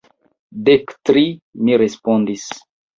Dek tri, mi respondis.